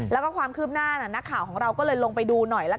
และความคืบหน้าเราก็ลงไปดูหน่อย